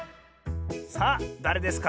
さあだれですか？